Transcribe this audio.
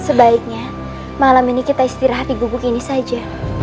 sebaiknya malam ini kita istirahat di gubuk ini saja